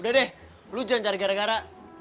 udah deh lu jangan cari gara gara